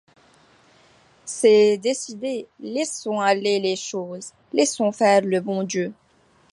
C’est décidé, laissons aller les choses! laissons faire le bon Dieu !